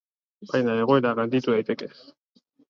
Baina egoera gainditu daiteke.